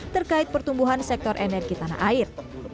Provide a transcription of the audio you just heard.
terkait pertumbuhan sektor energi tanah air